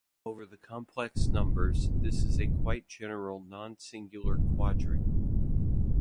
Over the complex numbers this is a quite general non-singular quadric.